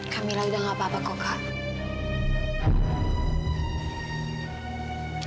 kamil udah gak apa apa kok kak